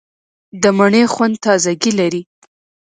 د مڼې خوند تازهګۍ لري.